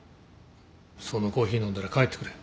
そのコーヒー飲んだら帰ってくれ。